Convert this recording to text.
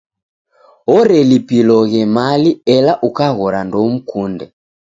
Orelipiloghe mali ela ukaghora ndoumkunde.